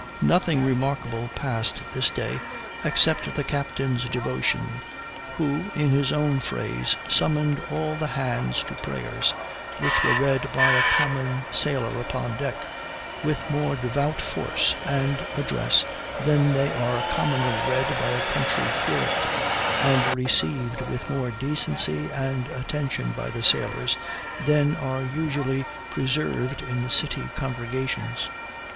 Nothing remarkable passed this day, except the captain's devotion, who, in his own phrase, summoned all hands to prayers, which were read by a common sailor upon deck, with more devout force and address than they are commonly read by a country curate, and received with more decency and attention by the sailors than are usually preserved in city congregations.